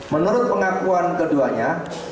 menurut pengakuan keduanya